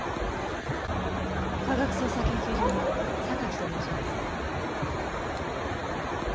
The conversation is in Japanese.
科学捜査研究所の榊と申します。